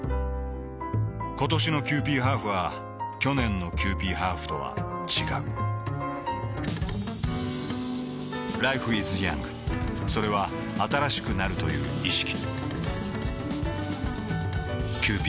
ことしのキユーピーハーフは去年のキユーピーハーフとは違うＬｉｆｅｉｓｙｏｕｎｇ．それは新しくなるという意識